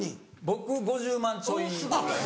僕５０万ちょいぐらい。